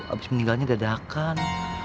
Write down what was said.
abis meninggalnya dadahkan